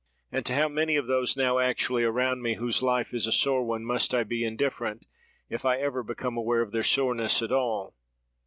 And to how many of those now actually around me, whose life is a sore one, must I be indifferent, if I ever become aware of their soreness at all?